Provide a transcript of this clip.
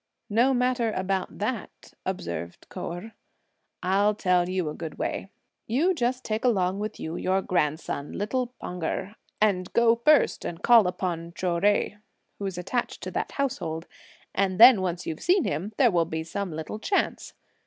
"No matter about that," observed Kou Erh; "I'll tell you a good way; you just take along with you, your grandson, little Pan Erh, and go first and call upon Chou Jui, who is attached to that household; and when once you've seen him, there will be some little chance.